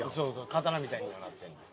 刀みたいにもなってんねん。